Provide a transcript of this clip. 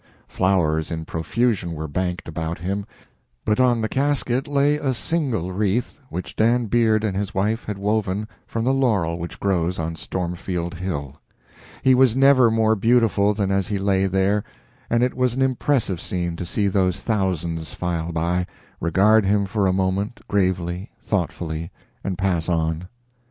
Flowers in profusion were banked about him, but on the casket lay a single wreath which Dan Beard and his wife had woven from the laurel which grows on Stormfield hill. He was never more beautiful than as he lay there, and it was an impressive scene to see those thousands file by, regard him for a moment, gravely, thoughtfully, and pass on.